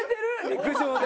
陸上で。